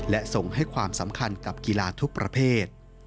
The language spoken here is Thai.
และส่งให้ความสำคัญกับกีฬาทุกประเภท